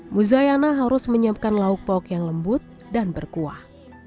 muzayana harus menyiapkan lauk lauk yang lembut dan berkuah